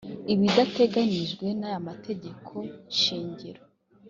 ibidateganijwe n’aya mategeko shingiro